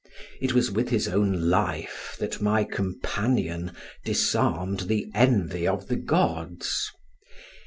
It was with his own life that my companion disarmed the envy of the gods.